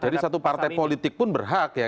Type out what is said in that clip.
jadi satu partai politik pun berhak ya